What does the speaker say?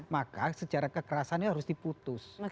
maka secara kekerasannya harus diputus